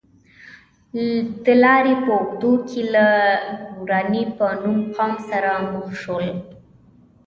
د لارې په اوږدو کې له ګوراني په نوم قوم سره مخ شول.